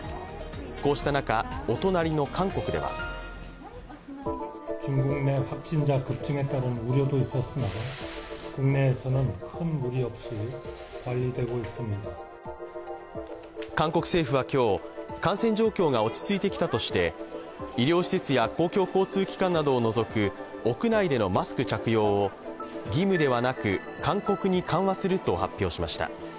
こうした中、お隣の韓国では韓国政府は今日、感染状況が落ち着いてきたとして医療施設や公共交通機関などを除く屋内でのマスク着用を義務ではなく、勧告に緩和すると発表しました。